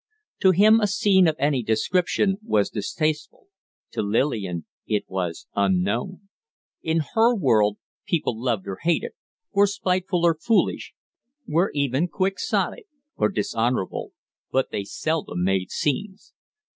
To him a scene of any description was distasteful; to Lillian it was unknown. In her world people loved or hated, were spiteful or foolish, were even quixotic or dishonorable, but they seldom made scenes.